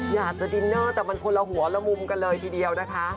อยากจะดินเนอร์แต่มันคนละหัวละมุมกันเลยทีเดียวนะคะ